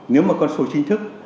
nếu mà con số chính thức